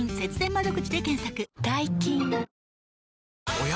おや？